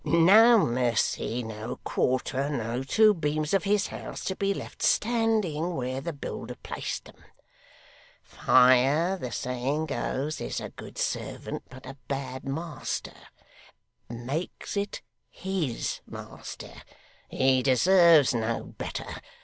No mercy, no quarter, no two beams of his house to be left standing where the builder placed them! Fire, the saying goes, is a good servant, but a bad master. Make it his master; he deserves no better.